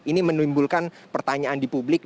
ini menimbulkan pertanyaan di publik